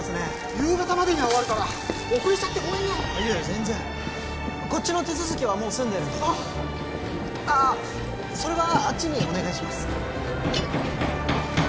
夕方までには終わるから遅れちゃってごめんねいや全然こっちの手続きはもう済んでるんで・ああああそれはあっちにお願いします